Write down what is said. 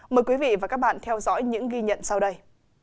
mời quý vị và các bạn theo dõi những ghi nhận sau đây